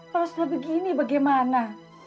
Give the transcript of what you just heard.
kalau sudah begini bagaimana